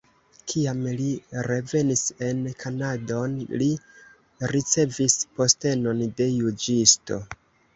Kiam li revenis en Kanadon, li ricevis postenon de juĝisto.